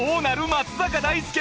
松坂大輔